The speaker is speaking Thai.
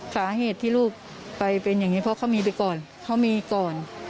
สาเหตุที่ลูกไปเป็นอย่างนี้เพราะเขามีไปก่อนเขามีก่อน